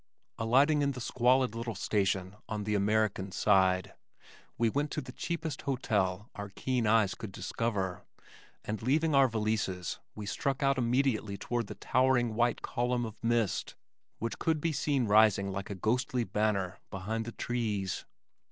Alighting at the squalid little station on the American side, we went to the cheapest hotel our keen eyes could discover, and leaving our valises, we struck out immediately toward the towering white column of mist which could be seen rising like a ghostly banner behind the trees.